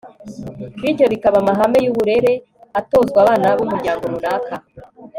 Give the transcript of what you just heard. bityo bikaba amahame y'uburere atozwa abana b'umuryango runaka